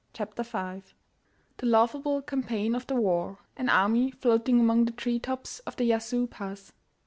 CHAPTER V The laughable campaign of the war An army floating among the tree tops of the Yazoo Pass.